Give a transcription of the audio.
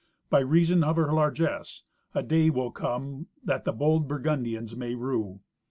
By reason of her largess, a day will come that the bold Burgundians may rue."